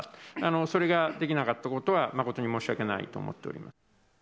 それができなかったことは誠に申し訳ないと思っています。